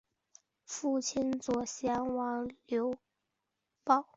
父亲左贤王刘豹。